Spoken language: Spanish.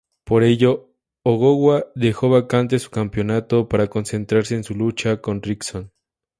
Por ello, Ogawa dejó vacante su campeonato para concentrarse en su lucha con Rickson.